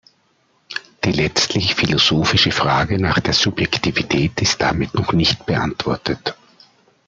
Die letztlich philosophische Frage nach der Subjektivität ist damit noch nicht beantwortet.